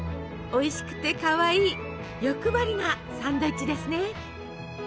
おいしくてかわいい欲張りなサンドイッチですね。